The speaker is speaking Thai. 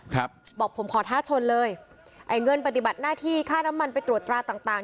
ครับบอกผมขอท้าชนเลยไอ้เงินปฏิบัติหน้าที่ค่าน้ำมันไปตรวจตราต่างต่าง